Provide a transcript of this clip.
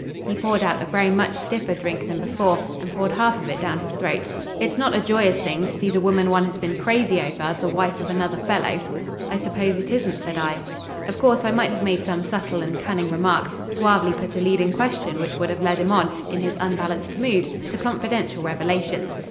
He poured out a very much stiffer drink than before, and poured half of it down his throat. "It's not a joyous thing to see the woman one has been crazy over the wife of another fellow." "I suppose it isn't," said I. Of course I might have made some subtle and cunning remark, suavely put a leading question which would have led him on, in his unbalanced mood, to confidential revelations.